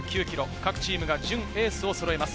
各チームは準エースをそろえます。